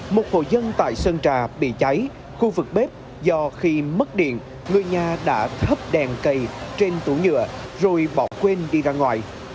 một hộ dân tại sơn trà bị cháy khu vực bếp do khi mất điện người nhà đã thắp đèn cầy trên tủ nhựa rồi bỏ quên đi ra ngoài